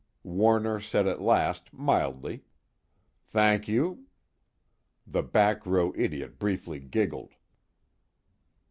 Warner said at last, mildly: "Thank you." The back row idiot briefly giggled.